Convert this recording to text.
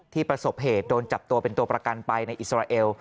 ประสบเหตุโดนจับตัวเป็นตัวประกันไปในอิสราเอล